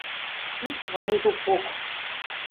Кид — мыни тупок